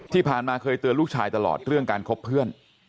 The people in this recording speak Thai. ที่ผ่านมาเคยเตือนลูกชายตลอดเรื่องการคบเพื่อน